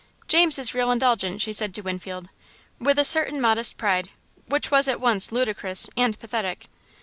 "James is real indulgent," she said to Winfield, with a certain modest pride which was at once ludicrous and pathetic.